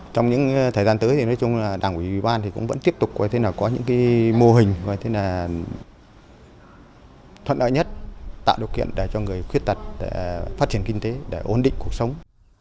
trong những thời gian tới thì nói chung là đảng ủy ủy ban cũng vẫn tiếp tục có những mô hình thuận lợi nhất tạo điều kiện để cho người khuyết tật phát triển kinh tế để ổn định cuộc sống